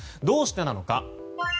どうしてなのか。